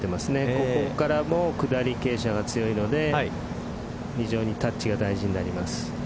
ここからも下り傾斜が強いので非常にタッチが大事であります。